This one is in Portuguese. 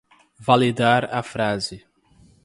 validar a frase